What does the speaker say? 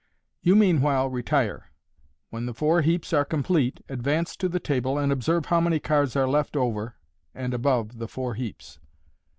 You meanwhile retire. When the four heaps are complete, advance to the table, and observe how many cards are left over and above the four heaps.